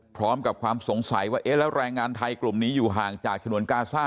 พร้อมกับความสงสัยว่าแล้วแรงงานไทยกลุ่มนี้อยู่ห่างจากชนวนกาซ่า